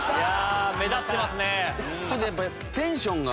目立ってますね。